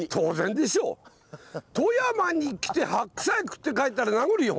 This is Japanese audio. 富山に来て白菜食って帰ったら殴るよ